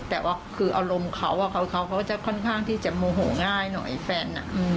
แต่ว่าคืออารมณ์เขาเขาก็จะค่อนข้างที่จะโมโหง่ายหน่อยแฟน